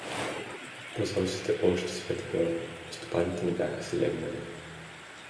Прозорците още светеха, стопаните не бяха си легнали.